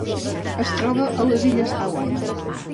Es troba a les illes Hawaii.